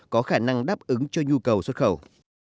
có khả năng đáp ứng cho nhu cầu xuất khẩu